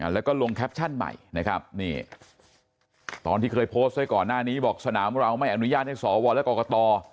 แล้วก็ลงแคปชั่นใหม่นะครับนี่ตอนที่เคยโพสต์ไว้ก่อนหน้านี้บอกสนามเราไม่อนุญาตให้สวและกรกต